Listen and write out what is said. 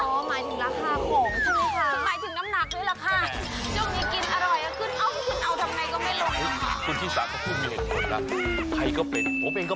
หมายถึงราคาโผงใช่มั้ยคะ